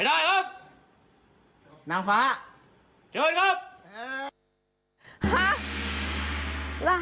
เสื้อควมเสื้อควม